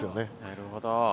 なるほど。